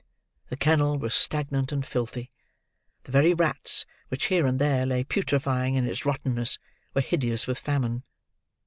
The kennel was stagnant and filthy. The very rats, which here and there lay putrefying in its rottenness, were hideous with famine.